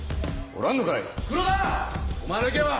おらんのかい。